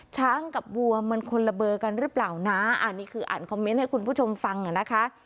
กับวัวมันคนละเบอร์กันหรือเปล่านะอันนี้คืออ่านคอมเมนต์ให้คุณผู้ชมฟังอ่ะนะคะ